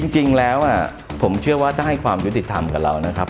จริงแล้วผมเชื่อว่าถ้าให้ความยุติธรรมกับเรานะครับ